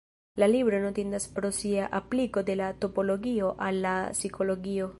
La libro notindas pro sia apliko de la topologio al la psikologio.